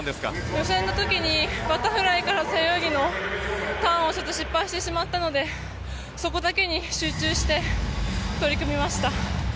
予選の時にバタフライから背泳ぎへのターンを失敗してしまったのでそこだけに集中して取り組みました。